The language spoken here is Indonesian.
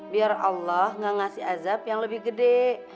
biar allah gak ngasih azab yang lebih gede